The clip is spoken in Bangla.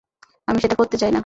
আমি সেটা করতে চাই না।